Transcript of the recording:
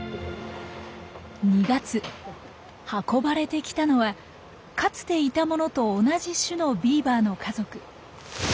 運ばれてきたのはかつていたものと同じ種のビーバーの家族。